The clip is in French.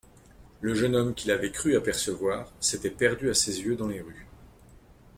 Le jeune homme qu'il avait cru apercevoir s'était perdu à ses yeux dans les rues.